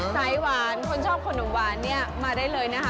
ไซส์หวานคนชอบขนมหวานมาได้เลยนะคะ